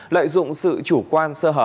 lợi dụng sự chủ quan sơ hở